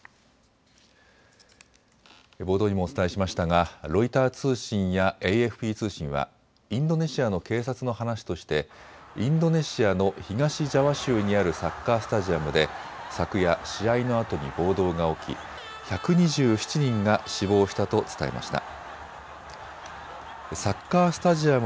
冒頭にもお伝えしましたがロイター通信やＡＦＰ通信はインドネシアの警察の話としてインドネシアの東ジャワ州にあるサッカースタジアムで昨夜、試合のあとに暴動が起き１２７人が死亡したと伝えました。